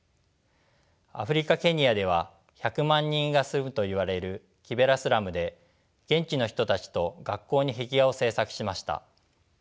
アフリカ・ケニアでは１００万人が住むといわれるキベラスラムで現地の人たちと学校に壁画を制作しました。